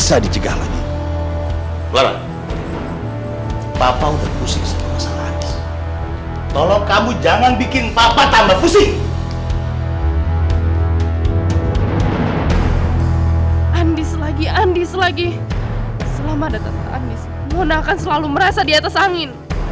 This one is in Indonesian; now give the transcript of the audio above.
selama datang andis mona akan selalu merasa di atas angin